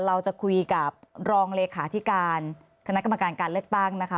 เราจะคุยกับรองเลขาธิการคณะกรรมการการเลือกตั้งนะคะ